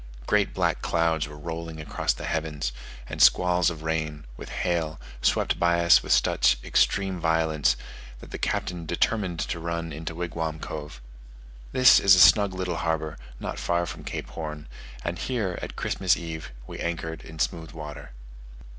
Great black clouds were rolling across the heavens, and squalls of rain, with hail, swept by us with such extreme violence, that the Captain determined to run into Wigwam Cove. This is a snug little harbour, not far from Cape Horn; and here, at Christmas eve, we anchored in smooth water.